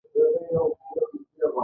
ټول یاران دلته راځي